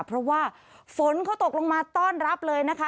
เพราะว่าฝนเขาตกลงมาต้อนรับเลยนะคะ